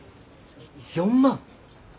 ４万？